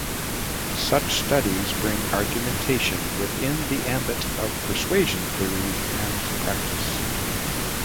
Such studies bring argumentation within the ambit of persuasion theory and practice.